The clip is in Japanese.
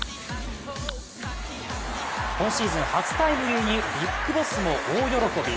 今シーズン初タイムリーにＢＩＧＢＯＳＳも大喜び。